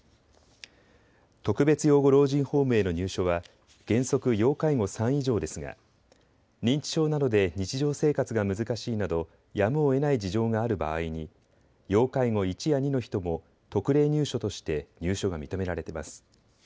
特別養護老人ホームへの入所は原則、要介護３以上ですが認知症などで日常生活が難しいなどやむをえない事情がある場合、に要介護１や２の人も特例入所として入所が認められています。